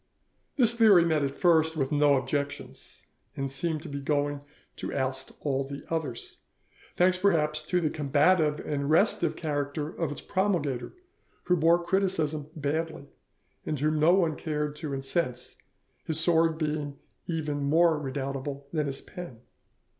This theory met at first with no objections, and seemed to be going to oust all the others, thanks, perhaps, to the combative and restive character of its promulgator, who bore criticism badly, and whom no one cared to incense, his sword being even more redoubtable than his pen.